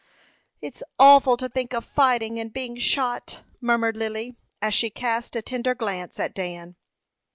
"It's awful to think of fighting and being shot," murmured Lily, as she cast a tender glance at Dan.